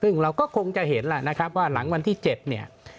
ซึ่งเราก็คงจะเห็นแหละนะครับว่าหลังวันที่๗เนี่ย